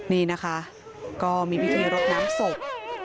นี่นะคะก็มีพิธีรดน้ำศพ